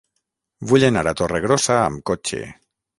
Vull anar a Torregrossa amb cotxe.